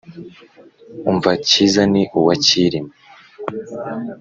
umva cyiza ni uwa cyilima